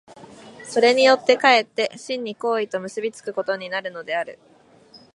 それによって却って真に行為と結び付くことになるのである。